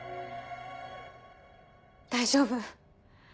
大丈夫。